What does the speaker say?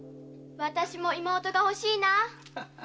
私も妹が欲しいなあ。